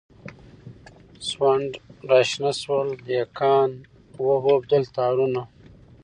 سونډ راشنه سول دهقان و اوبدل تارونه